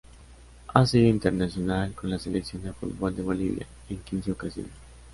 Ha sido internacional con la Selección de fútbol de Bolivia en quince ocasiones.